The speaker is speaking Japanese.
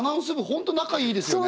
本当仲いいですよね。